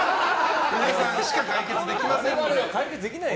皆さんしか解決できませんので。